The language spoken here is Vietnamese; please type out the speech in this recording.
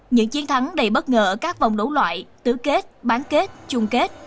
những chiến thắng đầy bất ngờ ở các vòng đấu loại tứ kết bán kết chung kết